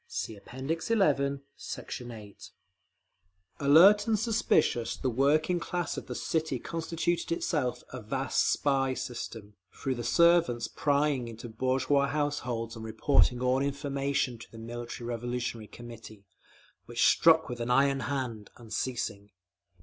(See App. XI, Sect. 8)… Alert and suspicious, the working class of the city constituted itself a vast spy system, through the servants prying into bourgeois households, and reporting all information to the Military Revolutionary Committee, which struck with an iron hand, unceasing.